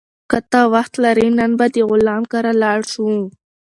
که ته وخت ولرې، نن به د غلام کره لاړ شو.